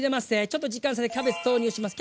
ちょっと時間差でキャベツ投入します。